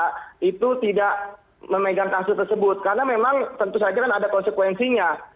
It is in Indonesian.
karena itu tidak memegang kasus tersebut karena memang tentu saja kan ada konsekuensinya